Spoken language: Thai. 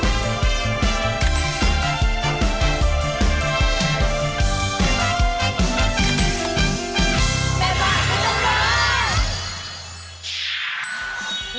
แม่บ้านประจำบาน